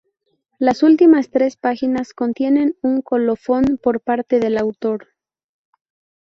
Las últimas tres páginas contienen un colofón por parte del autor.